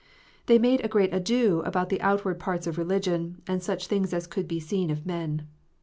They made a great ado about the outward parts of religion, and such things as could be seen of men.